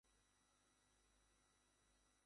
বাবা, বামে।